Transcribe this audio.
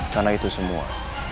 karena itu semua